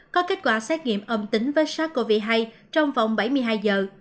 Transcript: có kết quả xét nghiệm âm tính với sars cov hai trong vòng bảy mươi hai giờ